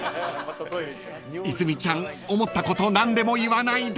［泉ちゃん思ったこと何でも言わないで］